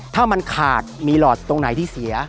ถ้ามันขาดมีหลอดตรงไหนที่เสีย